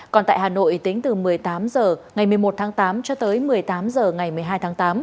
còn tại hà nội tính từ một mươi tám h ngày một mươi một tháng tám cho tới một mươi tám h ngày một mươi hai tháng tám